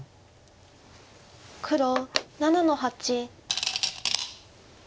黒７の八。